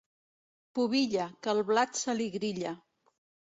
Pubilla, que el blat se li grilla.